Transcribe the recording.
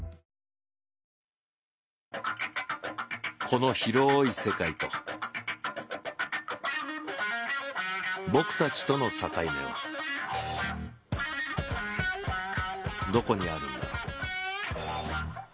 この広い世界と僕たちとの境目はどこにあるんだろう？